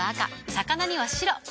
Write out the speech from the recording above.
魚には白。